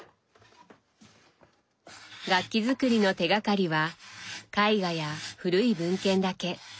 楽器作りの手がかりは絵画や古い文献だけ。